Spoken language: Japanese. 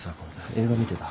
映画見てた。